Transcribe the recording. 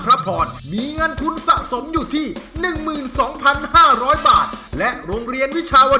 พวกเรามังกอนจิ๋วเจ้าพระยาสู้ไม่ช่อยค่ะ